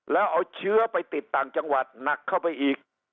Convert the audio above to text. แล้วเอาเชื้อไปติดต่างจังหวัดหนักเข้าไปอีก